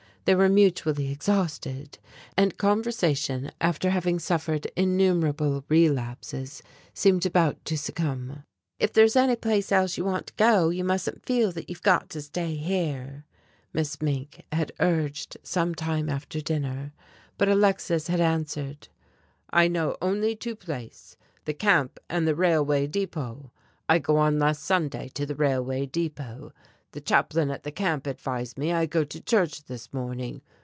They were mutually exhausted, and conversation after having suffered innumerable relapses, seemed about to succumb. "If there's any place else you want to go, you mustn't feel that you've got to stay here," Miss Mink had urged some time after dinner. But Alexis had answered: "I know only two place. The Camp and the railway depot. I go on last Sunday to the railway depot. The Chaplain at the Camp advise me I go to church this morning.